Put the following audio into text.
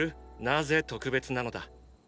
なぜ特別なのだ？